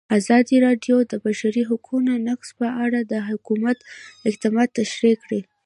ازادي راډیو د د بشري حقونو نقض په اړه د حکومت اقدامات تشریح کړي.